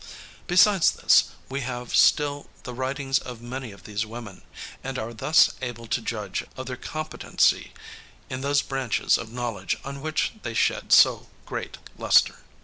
Besides this, we have still the writings of many of these women, and are thus able to judge of their competency in those branches of knowledge on which they shed so great luster.